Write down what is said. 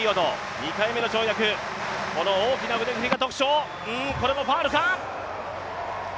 この大きな腕振りが特徴、これもファウルか。